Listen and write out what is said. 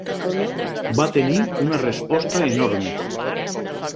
Va tenir una resposta enorme.